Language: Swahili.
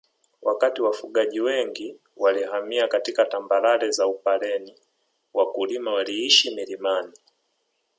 Wakati wafugaji wengi walihamia katika tambarare za Upareni wakulima waliishi milimani